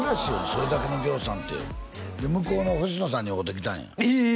それだけのぎょうさんってで向こうの星野さんに会うてきたんやええ！